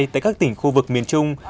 tại các tỉnh khu vực miền trung